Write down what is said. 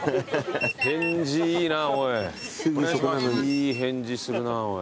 いい返事するなおい。